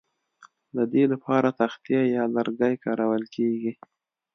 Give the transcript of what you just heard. د دې لپاره تختې یا لرګي کارول کیږي